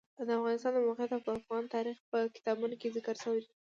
د افغانستان د موقعیت د افغان تاریخ په کتابونو کې ذکر شوی دي.